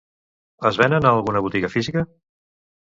Es venen a alguna botiga física?